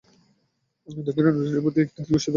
দক্ষিণে নদীটির উপর দিয়ে একটি দীর্ঘ সেতু আছে।